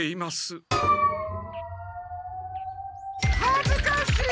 はずかしい！